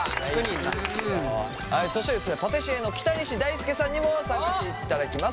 そしてですねパティシエの北西大輔さんにも参加していただきます。